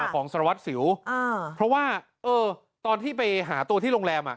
ของสารวัตรสิวเพราะว่าเออตอนที่ไปหาตัวที่โรงแรมอ่ะ